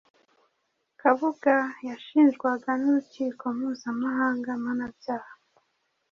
Kabuga yashinjwaga n’Urukiko Mpuzamahanga Mpanabyaha